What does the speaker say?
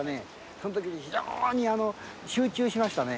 そのときに非常に集中しましたね。